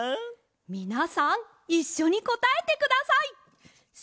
みなさんいっしょにこたえてください！せの！